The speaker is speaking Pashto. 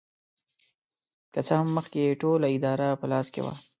که څه هم مخکې یې ټوله اداره په لاس کې وه.